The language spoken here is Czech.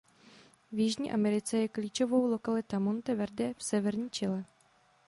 V Jižní Americe je klíčovou lokalita Monte Verde v severní Chile.